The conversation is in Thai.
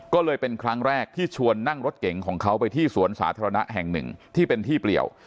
ก็เลยเป็นครั้งแรกที่ชวนนั่งรถเก๋งของเขาไปที่สวนสาธารณะแห่งหนึ่งที่เป็นที่เปลี่ยว